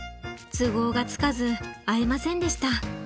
都合がつかず会えませんでした。